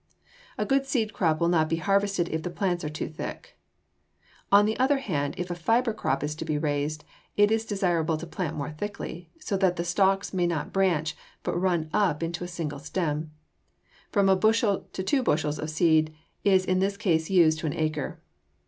A good seed crop will not be harvested if the plants are too thick. On the other hand, if a fiber crop is to be raised, it is desirable to plant more thickly, so that the stalks may not branch, but run up into a single stem. From a bushel to two bushels of seed is in this case used to an acre.